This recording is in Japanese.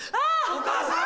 お母さん！